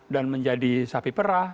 dan menjadi sapi perah